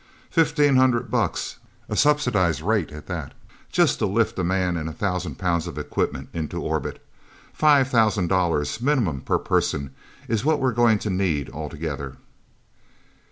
Fifteen hundred bucks a subsidized rate at that just to lift a man and a thousand pounds of equipment into orbit. Five thousand dollars, minimum per person, is what we're going to need, altogether."